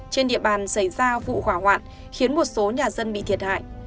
trên địa bàn xảy ra vụ hỏa hoạn khiến một số nhà dân bị thiệt hại